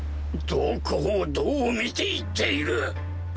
どこをどう見て言っている！